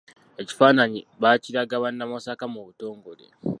Ekifaananyi baakiraga bannamasaka mu butongole.